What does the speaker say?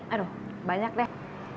aduh banyak deh